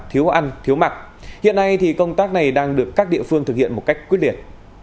thiếu ăn thiếu mặt hiện nay thì công tác này đang được các địa phương thực hiện một cách quyết liệt